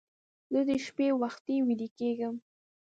زه د شپې وختي ویده کېږم